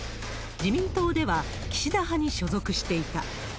自民党では、岸田派に所属していた。